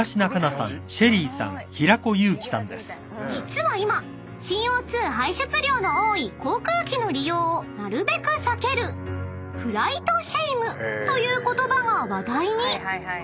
［実は今ＣＯ２排出量の多い航空機の利用をなるべく避けるフライトシェイムという言葉が話題に］